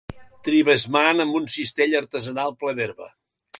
Tribesman amb un cistell artesanal ple d'herba